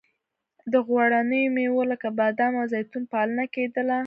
د غوړینو میوو لکه بادام او زیتون پالنه کیدله.